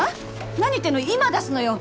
何言ってんの今出すのよ！